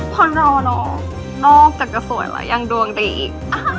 คนเราเนอะนอกจากจะสวยแล้วยังดวงดีอีก